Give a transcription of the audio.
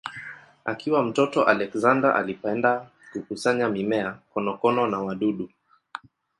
Akiwa mtoto Alexander alipenda kukusanya mimea, konokono na wadudu.